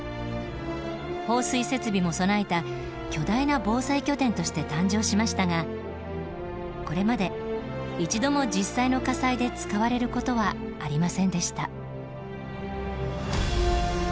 放水設備も備えた巨大な防災拠点として誕生しましたがこれまで一度も実際の火災で使われることはありませんでした。